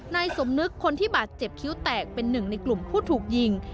นายสมนึกคนที่บาดเจ็บคิ้วแตกเป็นหนึ่งในกลุ่มผู้ถูกยิง